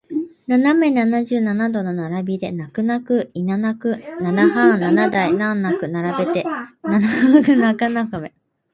斜め七十七度の並びで泣く泣くいななくナナハン七台難なく並べて長眺め